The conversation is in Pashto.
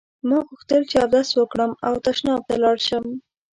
ما غوښتل چې اودس وکړم او تشناب ته لاړ شم.